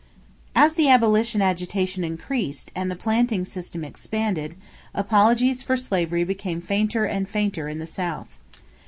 = As the abolition agitation increased and the planting system expanded, apologies for slavery became fainter and fainter in the South.